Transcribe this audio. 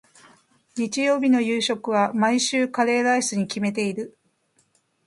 日曜日の夕食は、毎週カレーライスに決めている。